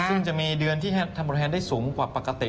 ซึ่งจะมีเดือนที่ทำตัวแทนได้สูงกว่าปกติ